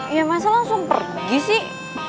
ya masa langsung pergi sih